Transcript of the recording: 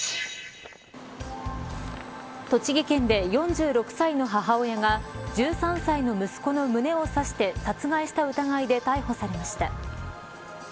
栃木県で、４６歳の母親が１３歳の息子の胸を刺して殺害した疑いで逮捕されました。